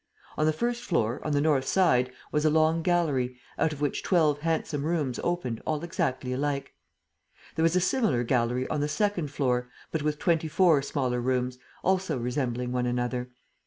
On the first floor, on the north side, was a long gallery, out of which twelve handsome rooms opened all exactly alike. There was a similar gallery on the second floor, but with twenty four smaller rooms, also resembling one another.